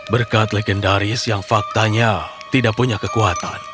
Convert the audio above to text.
berkat legendaris yang faktanya tidak punya kekuatan